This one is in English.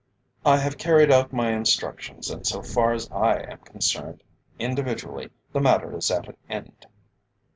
"I have carried out my instructions, and so far as I am concerned, individually, the matter is at an end."